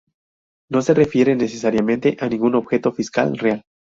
No se refiere necesariamente a ningún objeto físico real.